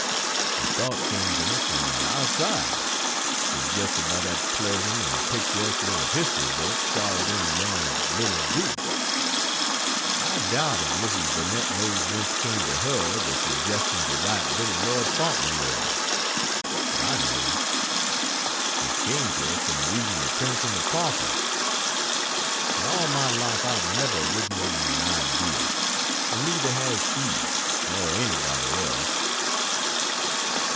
The thought came to me from the outside suggested by that pleasant and picturesque little history book, Charlotte M. Yonge's "Little Duke," I doubt if Mrs. Burnett knows whence came to her the suggestion to write "Little Lord Fauntleroy," but I know; it came to her from reading "The Prince and the Pauper." In all my life I have never originated an idea, and neither has she, nor anybody else.